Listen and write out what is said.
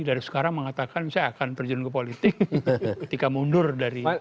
dari sekarang mengatakan saya akan terjun ke politik ketika mundur dari